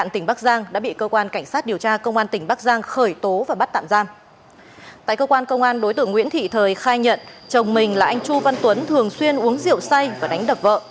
tại cơ quan công an đối tượng nguyễn thị thời khai nhận chồng mình là anh chu văn tuấn thường xuyên uống rượu say và đánh đập vợ